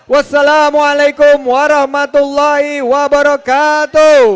wassalamualaikum warahmatullahi wabarakatuh